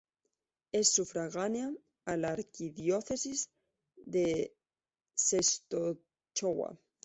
Es sufragánea a la Arquidiócesis de Częstochowa.